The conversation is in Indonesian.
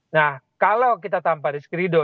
nah kalau kita tampak rizky ridho